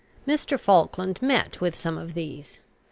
Mr. Falkland met with some of these.